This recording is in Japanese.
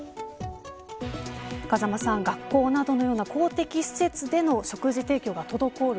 風間さん、学校などのような公的施設での食事提供が滞る